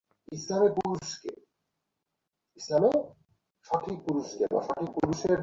বদরের যুদ্ধে তার অনুপস্থির একটি কাহিনী রয়েছে, যা তিনি নিজেই বর্ণনা করেছেন।